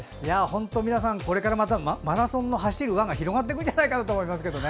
本当、皆さんこれからまたマラソンの走る輪が広がっていくんじゃないかと思います。